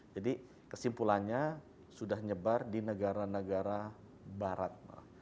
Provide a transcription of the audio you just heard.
jadi kesimpulannya sudah nyebar di negara negara barat